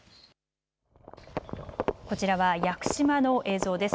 こちらは屋久島の映像です。